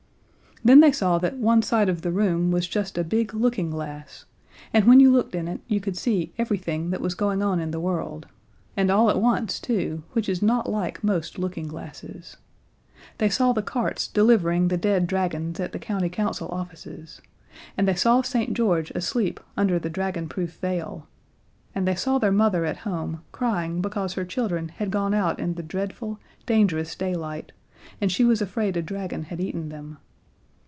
Then they saw that one side of the room was just a big looking glass, and when you looked in it you could see everything that was going on in the world and all at once, too, which is not like most looking glasses. They saw the carts delivering the dead dragons at the County Council offices, and they saw St. George asleep under the dragonproof veil. And they saw their mother at home crying because her children had gone out in the dreadful, dangerous daylight, and she was afraid a dragon had eaten them.